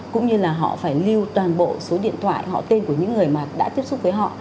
cũng như là họ phải lưu toàn bộ số điện thoại họ tên của những người mà đã tiếp xúc với họ